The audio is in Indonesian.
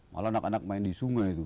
malah anak anak main di sungai itu